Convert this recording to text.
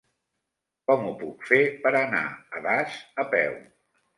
Com ho puc fer per anar a Das a peu?